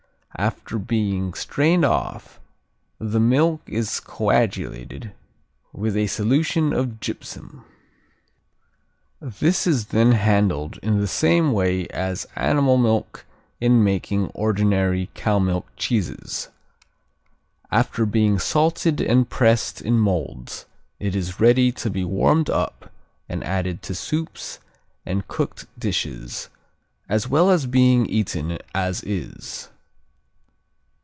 After being strained off, the "milk" is coagulated with a solution of gypsum. This is then handled in the same way as animal milk in making ordinary cow milk cheeses. After being salted and pressed in molds it is ready to be warmed up and added to soups and cooked dishes, as well as being eaten as is.